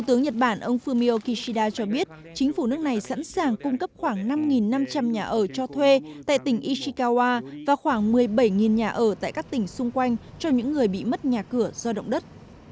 tướng nhật bản ông fumio kishida cho biết chính phủ nước này sẵn sàng cung cấp khoảng năm năm trăm linh nhà ở cho thuê tại tỉnh ishikawa và khoảng một mươi bảy nhà ở tại các tỉnh xung quanh cho những người bị mất nhà cửa do động đất